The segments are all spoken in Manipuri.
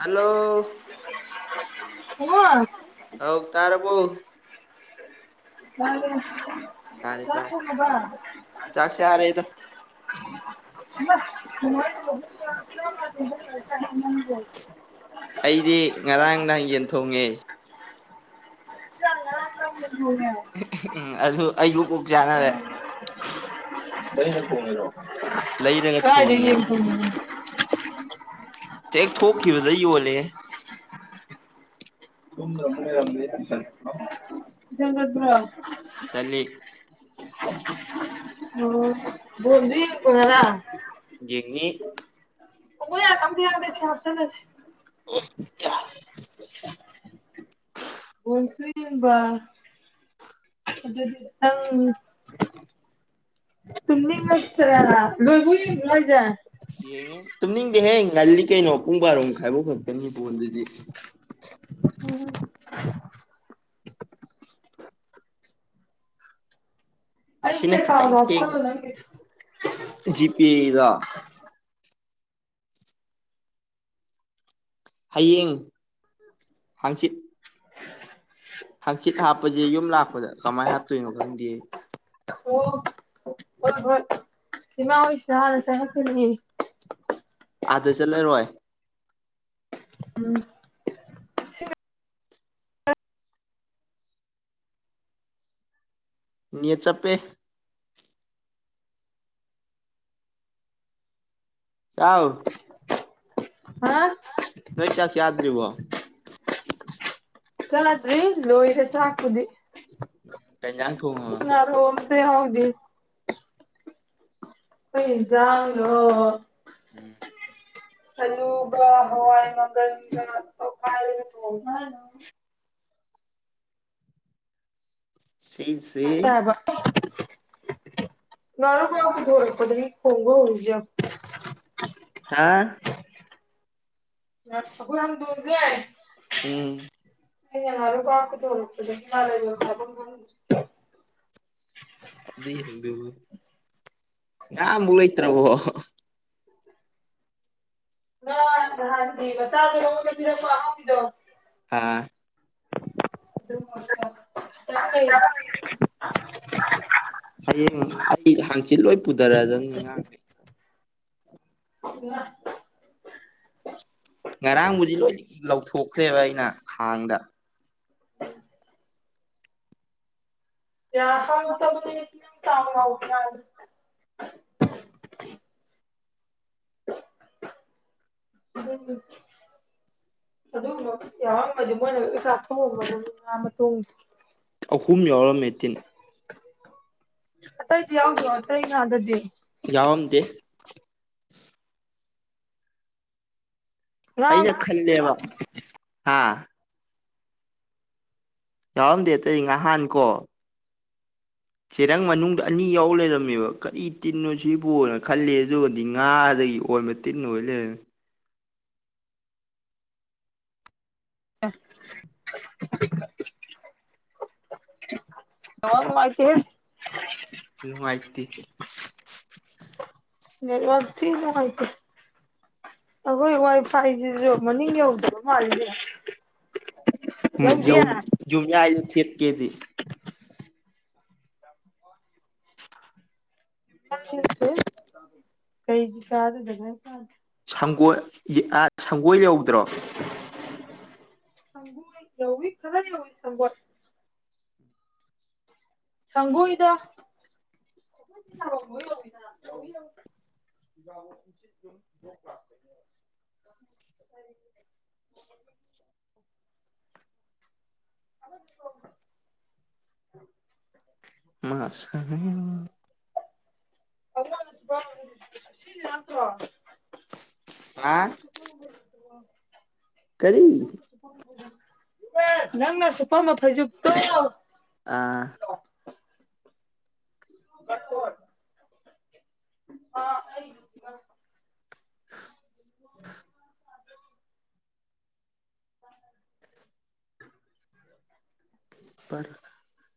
ꯍꯂꯣ ꯍ ꯍꯧ ꯇꯔꯕꯨꯣ ꯇꯥꯔꯦ ꯇꯥꯔꯦ [unintelligible] ꯆꯥꯛ ꯆꯥꯔꯦꯗ ꯆꯕ [unintelligible] ꯑꯩꯗꯤ ꯉꯔꯥꯡ ꯅꯍꯥꯟ ꯌꯦꯟ ꯊꯣꯡꯉꯦ [unintelligible] ꯎꯝ ꯑꯗꯨ ꯑꯩꯕꯨꯨ ꯀꯣꯛ ꯆꯥꯅꯔꯦ ꯅꯪꯅ ꯊꯣꯡꯉꯤꯔꯣ ꯂꯩꯔꯒ ꯀꯥꯏꯗꯩ ꯌꯦꯟ ꯊꯣꯡꯉꯕ ꯊꯣꯡꯉꯤꯅꯣ [unintelligible] ꯇ ꯊ ꯊꯣꯛꯀꯤꯈꯤꯕꯕꯗꯏꯣꯅꯦ ꯇꯨ ꯇꯨꯁꯠꯇ꯭ꯔ ꯆꯠꯂꯤ ꯑꯣ ꯣꯕꯤ ꯀꯅꯔ ꯌꯦꯤ ꯑꯣ ꯌꯥ ꯀꯝ ꯊ ꯌꯥꯗꯁꯤ ꯍꯥꯞ ꯆꯁꯤ [unintelligible] ꯣꯜꯁꯨ ꯌꯦꯕ ꯑꯗꯨꯪ ꯇꯅꯤ ꯃꯁ꯭ꯔ ꯃꯖꯥ ꯌꯦꯍꯦ ꯇꯨꯕꯤꯍꯦ ꯉꯜꯂꯤ ꯀꯩꯅꯣ ꯄꯨꯡ ꯕꯥꯔꯣꯃ ꯈꯥꯏꯐꯧ ꯈꯛꯇꯅꯤ ꯐꯣꯟꯗꯨꯗꯤ ꯎꯝ ꯑꯩꯒꯤ ꯃꯁꯤꯤꯟ ꯀꯈꯤ ꯇꯪ ꯑꯦꯀꯥꯎꯟꯗꯣ ꯀꯦ ꯍꯥꯞꯆꯜꯂꯣ ꯅꯪꯒꯤ ꯖꯤ ꯄꯦꯗ ꯍꯌꯦꯡ ꯍꯥꯡꯆꯤꯠ [unintelligible] ꯍꯪꯆꯤꯠ ꯍꯥꯞꯄꯁꯦ ꯌꯨꯝ ꯂꯥꯛꯄꯗ ꯀꯃꯥꯏꯅ ꯍꯥꯞꯇꯣꯏꯅꯣ ꯈꯪꯗꯦ ꯁꯤꯅꯥ ꯍꯧꯁ ꯌꯥꯔ ꯆ ꯀꯅꯤ ꯑꯥꯗ ꯆꯠꯂꯔꯣꯏ ꯎꯝ ꯅꯦ ꯆꯞꯄꯦ ꯆꯥꯎꯥꯎ ꯎ ꯅꯣꯏ ꯆꯥꯛ ꯆꯗ꯭ꯔꯤꯕꯣ [inaudible] ꯆ꯭ꯔꯤ ꯂꯣꯍꯤ ꯍꯁ ꯍꯥꯀꯨꯗꯤ ꯎ ꯀꯩꯅꯥꯡ ꯊꯉ ꯐꯦ ꯍꯥꯎꯗꯤ ꯎ ꯌꯥꯥꯅꯣ ꯆꯂꯨꯕ ꯍꯋꯥ ꯃꯒ ꯐ ꯎ ꯁꯤ ꯁꯤ [inaudible] ꯅꯨ ꯀ ꯀꯗꯣꯔꯛꯄꯗ ꯍꯣꯡꯒ ꯍꯁꯤ [inaudible] ꯑ ꯑ ꯍꯣꯏ ꯗꯖ ꯍꯥꯏ ꯎꯝ ꯑ ꯑꯗꯨ ꯀꯐ ꯇꯣꯂꯛꯇꯗꯤ [unintelligible] ꯊꯞ ꯉ ꯃꯡꯂꯣꯏ ꯇꯔꯕꯣ [unintelligible] ꯃꯁꯥꯗ ꯑꯗꯣ ꯍꯥ ꯑꯗꯨ ꯈꯤꯇꯪ ꯂꯩ ꯍꯌꯦꯡ ꯑꯩ ꯍꯥꯡꯆꯤꯠ ꯂꯣꯏ ꯄꯨꯊꯔꯛꯑꯗꯅꯤ ꯉꯥꯡꯅꯦ ꯑ ꯉꯔꯥꯡꯕꯨꯗꯤ ꯂꯣꯏ ꯂꯧꯊꯣꯛꯈ꯭ꯔꯦꯕ ꯑꯩꯅ ꯈꯥꯡꯗ [unintelligible] ꯌꯥ [unintelligible] ꯇꯥꯎ ꯑ ꯌꯥꯎꯃꯗꯤ ꯃꯣꯏꯅ ꯆꯥ ꯊꯣꯡꯑꯕ ꯇ ꯑꯍꯨꯝ ꯌꯥꯎꯔꯝꯃꯦ ꯇꯤꯟ ꯑꯁꯥꯏꯗꯤ ꯌꯥꯎꯗꯣ ꯀ ꯉꯗꯗꯤ ꯌꯥꯋꯥꯝꯗꯤ ꯉꯥ ꯑꯩꯅ ꯅꯦꯠꯋꯥꯛ ꯈꯜꯂꯦꯕ ꯍꯥ ꯌꯥꯎꯔꯝꯗꯦ ꯑꯇꯩ ꯉꯍꯥꯟ ꯀꯣ ꯆꯦꯔꯪ ꯃꯅꯨꯡꯗ ꯑꯅꯤ ꯌꯥꯎ ꯂꯩꯔꯝꯃꯦꯕ ꯀꯔꯤ ꯇꯤꯟꯅꯣ ꯁꯤꯕꯣꯅ ꯈꯜꯂꯤ ꯑꯗꯨꯒꯗꯤ ꯉꯥꯗꯒꯤ ꯑꯣꯟꯕ ꯇꯤꯟꯅ ꯑꯣꯏ ꯂꯩꯔꯃꯤ ꯑ ꯌꯥ ꯃꯥꯀꯦ ꯅꯨꯉꯥꯏꯇ‌ꯦ ꯅꯦꯠꯋꯔ ꯊꯤ ꯅꯨꯡꯉꯥꯏꯇꯦ ꯑꯩꯈꯣꯏ ꯋꯥꯏ ꯐꯥꯏꯁꯤꯁꯨ ꯃꯅꯤꯡ ꯌꯧꯗꯕ ꯃꯥꯜꯂꯤꯅꯦ ꯌꯧ ꯌꯨ ꯌꯧꯗꯤꯌꯦ ꯌꯨꯝꯌꯥꯏꯗ ꯊ‌ꯦꯠ ꯀꯦꯗꯤ ꯀꯩ ꯆꯥꯗꯗꯅ ꯁꯪꯒꯣꯜ [unintelligible] ꯁꯪꯒ‌ꯣꯏ ꯌꯧꯗ꯭ꯔꯣ ꯁꯪꯒ‌ꯣꯏ ꯌꯧꯏ [unintelligible] ꯁꯪꯒꯣꯏꯗ [unintelligible] [unintelligible] ꯃꯥꯁ [unintelligible] [unintelligible] [unintelligible] [unintelligible] ꯑꯥ ꯀꯔꯤ ꯅꯪꯅ ꯁꯨꯄꯝꯕ ꯐꯩꯖꯨꯞꯇ‌ꯣ ꯑꯥ [unintelligible] ꯑ [unintelligible]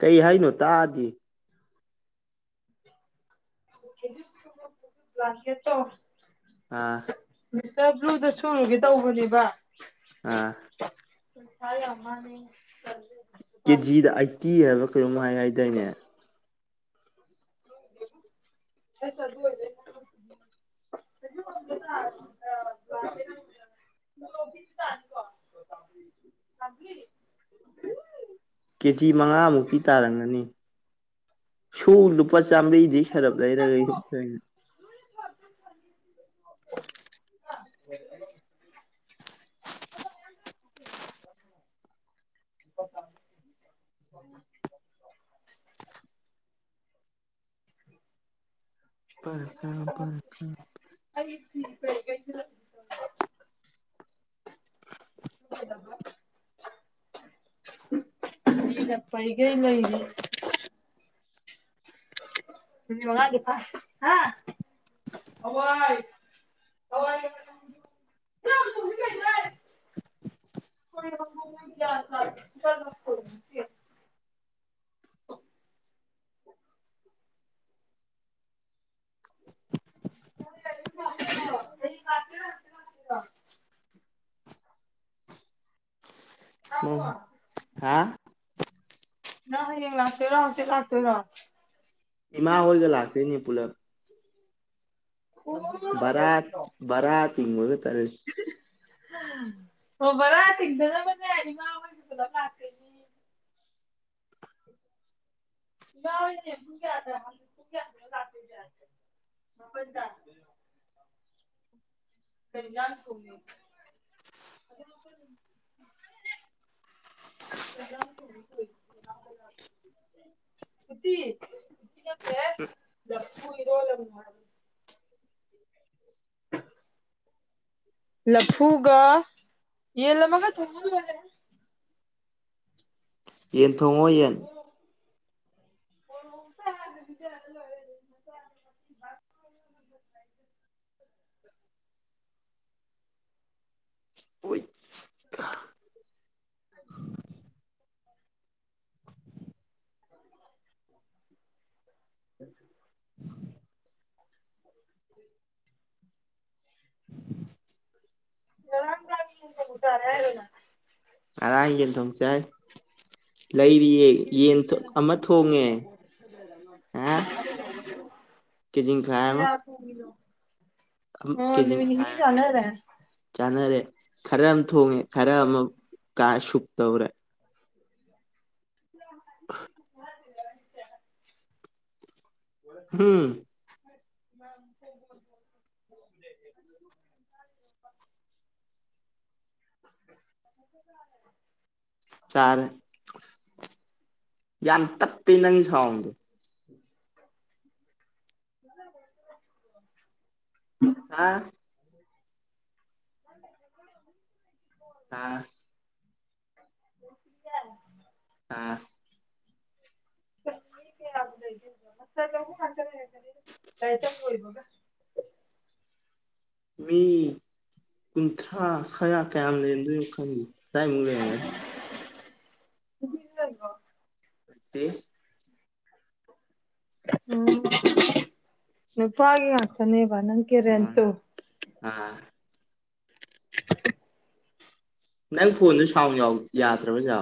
ꯀꯩ ꯍꯥꯏ ꯅꯣ ꯇꯥꯗꯤ ꯕ꯭ꯂꯥꯡꯀ‌ꯦꯠꯇ‌ꯣ ꯑꯥ ꯃꯤꯁꯇꯔ ꯕ꯭ꯂꯨꯗ ꯁꯨꯔꯨꯒꯦ ꯇꯧꯕꯅꯦꯕ ꯑꯥ ꯄꯩꯁꯥ ꯌꯥꯝ ꯃꯥꯡꯉ‌ꯦ ꯇꯜꯂ‌ꯦ ꯀꯦꯖꯤꯗ ꯑꯠꯇꯤ ꯍꯥꯏꯕ ꯀꯩꯅꯣꯝ ꯍꯥꯏ ꯍꯥꯏꯗꯥꯏꯅꯦ [unintelligible] ꯀꯦꯖꯤ ꯃꯉꯥꯃꯨꯛꯇꯤ ꯇꯥꯔꯝꯒꯅꯤ ꯁꯨ ꯂꯨꯄꯥ ꯆꯥꯝꯃꯔꯤꯗꯤ ꯑꯗꯨ ꯁꯔꯞ ꯂꯩꯔꯒ ꯌꯨꯝ ꯑꯣꯏꯔꯗꯤ [unintelligible] ꯄꯔꯈꯥ ꯄꯔꯈꯥ ꯑꯩ ꯐꯤ ꯀꯩ ꯀꯩ [unintelligible] ꯄꯩꯒꯩ ꯂꯩꯔꯤ ꯃꯤꯅꯤꯠ ꯃꯉꯥꯗꯤ ꯐꯥꯔ‌‌ꯦ ꯑꯍ‌ꯣꯏ [unintelligible] [unintelligible] [unintelligible] [unintelligible] ꯍꯥ ꯅꯪ ꯍꯌꯦꯡ ꯂꯥꯛꯇꯣꯏꯔꯣ ꯍꯧꯖꯤꯛ ꯂꯥꯛꯇꯣꯏꯔꯣ ꯏꯃꯥ ꯍꯗ ꯂꯥꯛꯁꯅꯤ ꯄꯨꯂꯞ ꯔꯠ ꯔꯠ ꯇ ꯇꯔꯦ ꯍꯕꯔ ꯇꯗꯅ ꯃ ꯍꯥꯏꯅꯤ ꯃꯥ ꯂꯥꯛꯀ ꯌꯥ ꯌꯥ ꯊ [unintelligible] ꯔꯣ ꯂꯐꯨꯒ ꯌꯦ ꯂꯒ ꯌꯦꯟ ꯁꯉ ꯌꯦꯟ [inaudible] ꯍꯣꯏ ꯑꯝ ꯎꯝ ꯎ ꯂꯥꯡ ꯀꯁꯥꯔꯦꯔ ꯑꯔꯒ ꯊꯝꯁꯥꯏ ꯑ [inaudible] ꯀꯦꯖꯤ ꯃꯈꯥꯏ ꯀ ꯑꯃ ꯌꯥ ꯐꯕꯤ ꯂꯣ ꯀꯦꯖꯤ ꯆꯥꯅꯔꯦ ꯆꯅꯔꯦ ꯈꯔꯦꯝ ꯊꯣꯡꯉꯦ ꯈꯔ ꯑꯃꯨꯛ ꯀ ꯇꯧ꯭ꯔꯦ [inaudible] ꯍꯝ [inaudible] ꯆꯥꯔꯦ ꯌꯥꯝ ꯇꯞꯄꯤꯅ ꯈꯒꯦ [inaudible] ꯍꯥꯥ [inaudible] ꯑꯥ [inaudible] ꯀꯖ ꯑꯥ ꯂꯩ ꯆ ꯂꯕꯒ ꯃꯤ ꯀꯨꯟꯊ꯭ꯔꯥ ꯈꯔ ꯀꯌꯥꯝ ꯂꯩꯔꯝꯗꯣꯏꯅꯣ ꯈꯪꯗꯦ ꯇꯥꯏ ꯃꯡꯂ ꯌꯦꯒ ꯒ ꯑꯦ ꯎ ꯅꯨꯄꯦ ꯍꯥ ꯆꯅꯤ ꯎꯝ [inaudible] ꯑꯥ ꯅꯪ ꯐꯣꯟꯁꯨ ꯁꯥꯎꯟ ꯌꯥꯗ꯭ꯔꯕ ꯆꯦ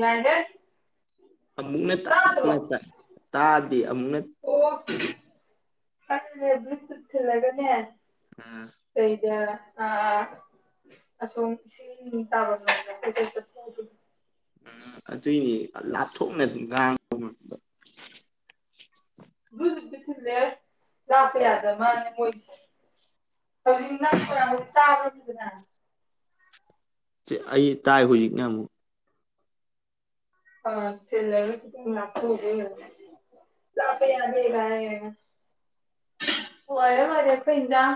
ꯌꯥꯏꯍꯦ ꯇꯥꯗ꯭ꯔꯣ ꯑꯃꯨꯛꯅ ꯇꯥꯗꯤ ꯑꯃꯨꯛꯅ ꯕꯨꯜꯇꯨꯠ ꯊꯤꯜꯂꯒꯅꯦ ꯎꯝ ꯀꯩꯗ ꯑꯁꯣꯝ ꯏꯁꯤꯡ ꯇꯥꯕꯝ ꯂꯣꯝꯗ ꯀꯣꯏꯆꯠ ꯆꯠꯄ ꯑꯗꯨꯒꯤꯅꯦ ꯎꯝ ꯑꯗꯨꯏꯅꯦ ꯂꯥꯞꯊꯣꯛꯅ ꯑꯗꯨꯝ ꯉꯥꯡꯕ ꯃꯟꯕ ꯕꯨꯜꯇꯨꯠꯇꯤ ꯊꯤꯜꯂꯦ ꯍꯦ ꯂꯞꯄꯥ ꯌꯥꯗ ꯃꯥꯜꯂꯦ ꯃꯣꯏꯁꯦ ꯍꯧꯖꯤꯛ ꯇꯥꯔꯕꯣ ꯐꯖꯅ ꯑꯩ ꯇꯥꯏ ꯍꯧꯖꯤꯛꯅ ꯑꯃꯨꯛ ꯊꯤꯜꯂꯒ ꯂꯞꯊꯣꯛꯄ ꯑꯃꯨꯛ ꯂꯞꯄ ꯌꯗꯦꯒꯅ ꯑꯣꯏꯔꯝꯅꯤ ꯂꯣꯏꯔꯦ ꯂꯣꯏꯔꯦ ꯑꯩꯈꯣꯢ ꯢꯟꯖꯥꯡ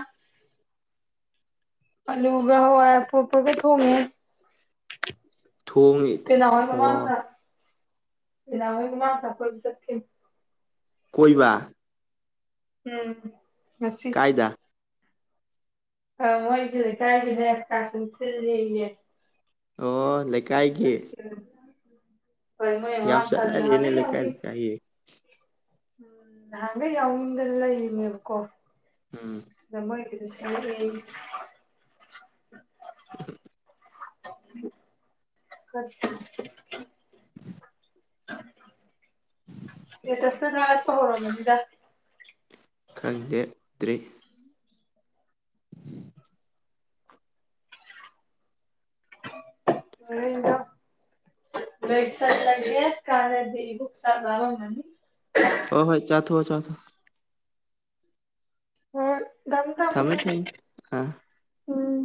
ꯑꯂꯨꯒ ꯍꯋꯥꯏ ꯑꯄꯣꯞꯄꯒ ꯊꯣꯡꯉꯦ ꯊꯣꯡꯉꯦ ꯑꯣ ꯃꯝꯃꯥ ꯃꯆꯥ ꯀꯣꯏꯕ ꯆꯠꯈꯤꯕꯅꯦ ꯀꯣꯏꯕ ꯎꯝ ꯉꯁꯤ ꯀꯥꯏꯗ ꯃꯣꯏꯒꯤ ꯂꯩꯀꯥꯏꯒꯤ ꯑꯦꯁꯀꯔꯁꯟ ꯁꯤꯜꯂꯦꯌꯦ ꯑꯣ ꯂꯩꯀꯥꯏꯒꯤ ꯎꯝ ꯌꯝ ꯆꯠꯅꯔꯦꯅꯦ ꯂꯩꯀꯥꯏ ꯂꯩꯀꯥꯏꯒꯤ ꯎꯝ ꯅꯍꯟꯗꯩ ꯌꯥꯎꯅꯤꯡꯗꯅ ꯂꯩꯔꯤꯅꯦꯕꯀꯣ ꯎꯝ [inaudible] [inaudible] ꯏꯁꯇꯦ ꯇꯁꯇ ꯊꯒꯠꯄ ꯍꯧꯔꯝꯃꯅꯤꯗ ꯈꯪꯗꯦ ꯇ꯭ꯔꯦ ꯂꯣꯏꯁꯜꯂꯒꯦ ꯀꯥꯅꯗꯦ ꯏꯕꯣꯛ ꯆꯥꯛ ꯂꯝꯃꯝꯃꯅꯤ ꯍꯣꯏ ꯍꯣꯏ [inaudible] ꯍꯣꯏ ꯊꯝꯃꯦ ꯊꯝꯃꯦ ꯑ ꯎꯝ